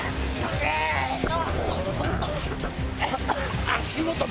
せの！